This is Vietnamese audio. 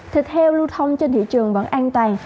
thịt heo lưu thông trên thị trường vẫn an toàn